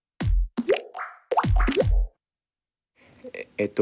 えっと